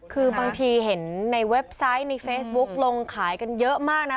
คือบางทีเห็นในเว็บไซต์ในเฟซบุ๊กลงขายกันเยอะมากนะ